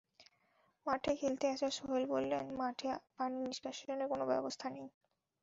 মাঠে খেলতে আসা সোহেল বললেন, মাঠে পানি নিষ্কাশনের কোনো ব্যবস্থা নেই।